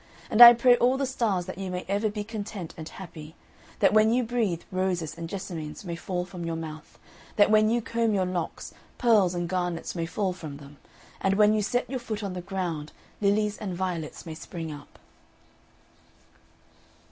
and I pray all the stars that you may ever be content and happy; that when you breathe roses and jessamines may fall from your mouth; that when you comb your locks pearls and garnets may fall from them, and when you set your foot on the ground lilies and violets may spring up."